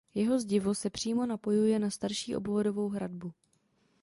Jeho zdivo se přímo napojuje na starší obvodovou hradbu.